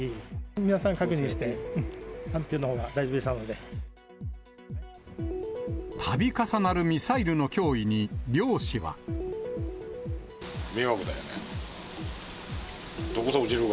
皆さん、確認して、たび重なるミサイルの脅威に、迷惑だよね。